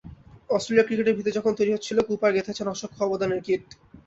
অস্ট্রেলিয়ার ক্রিকেটের ভিত্তি যখন তৈরি হচ্ছিল, কুপার গেঁথেছেন অসংখ্য অবদানের ইট।